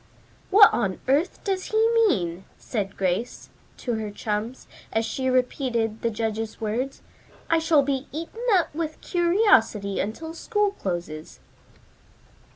"What on earth does he mean?" said Grace to her chums, as she repeated the judge's words. "I shall be eaten up with curiosity until school closes."